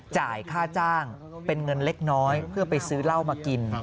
จ่ายค่าจ้างเป็นเงินเล็กน้อยเพื่อไปซื้อเหล้ามากิน